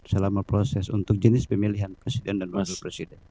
selama proses untuk jenis pemilihan presiden dan wakil presiden